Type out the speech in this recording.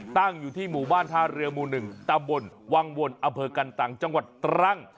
ตั้งอยู่ที่หมู่บ้านท่าเรือหมู่๑ตำบลวังวลอำเภอกันตังจังหวัดตรัง